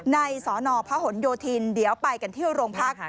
สนพหนโยธินเดี๋ยวไปกันที่โรงพัก